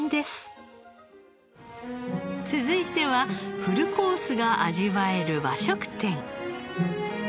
続いてはフルコースが味わえる和食店。